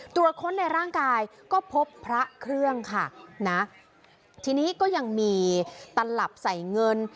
ตรวจค้นในร่างกายก็พบพระเครื่องค่ะนะทีนี้ก็ยังมีตลับใส่เงิน